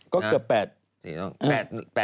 ก็เกือบ๘